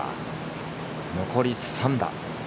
残り３打。